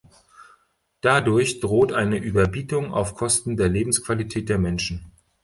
Dadurch droht eine Überbietung auf Kosten der Lebensqualität der Menschen.